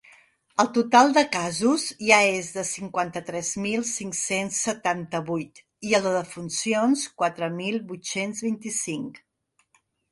El total de casos ja és de cinquanta-tres mil cinc-cents setanta-vuit, i el de defuncions quatre mil vuit-cents vint-i-cinc.